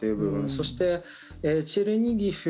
そして、チェルニヒウ